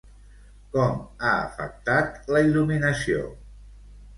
Com ha afectat la il·luminació?